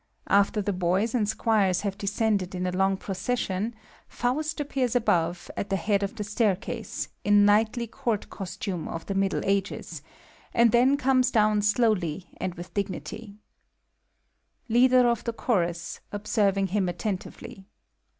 After the boys and squires have descended in a long procession, Faust appears above, at the head of the staircase, in knightly Court costume of the Middle Ages, and then comes down slowly and with dignity,) LIIADER OF THE CHORUS (observing him attentively).